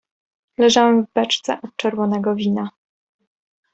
"Leżałem w beczce od czerwonego wina."